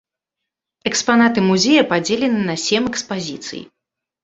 Экспанаты музея падзелены на сем экспазіцый.